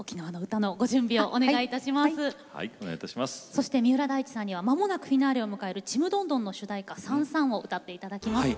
そして三浦大知さんにはまもなくフィナーレを迎える「ちむどんどん」の主題歌「燦燦」を歌っていただきます。